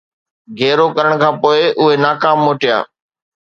گهيرو ڪرڻ کان پوءِ اهي ناڪام موٽيا